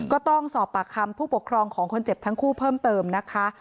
ก็ต้องสอบปากคำผู้ปกครองของคนเจ็บทั้งคู่เพิ่มเติมนะคะ